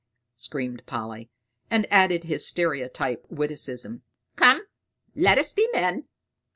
screamed Polly, and added his stereotype witticism. "Come, let us be men!"